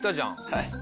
はい。